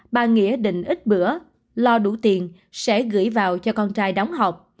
bà nghĩa định ít bữa lo đủ tiền sẽ gửi vào cho con trai đóng học